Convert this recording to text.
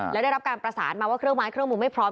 แล้วได้รับการประสานมาว่าเครื่องไม้เครื่องมือไม่พร้อม